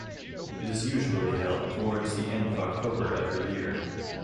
It is usually held towards the end of October every year.